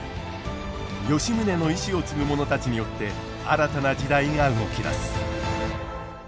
吉宗の遺志を継ぐ者たちによって新たな時代が動き出す。